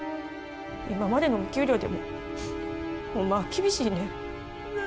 今までのお給料でもホンマは厳しいねん。